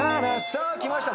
さあきました。